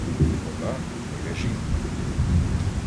Вона — моя жінка!